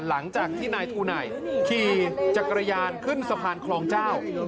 หลังจากที่นายทูไหนขี่จักรยานขึ้นสะพานคลองเจ้า